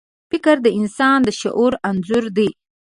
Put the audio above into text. فکر د انسان د شعور انځور دی.